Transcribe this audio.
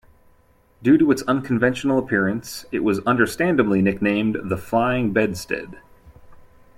Due to its unconventional appearance, it was understandably nicknamed the Flying Bedstead.